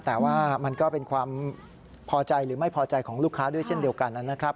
แต่ว่ามันก็เป็นความพอใจหรือไม่พอใจของลูกค้าด้วยเช่นเดียวกันนะครับ